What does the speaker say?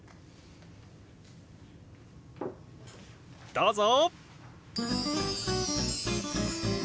どうぞ！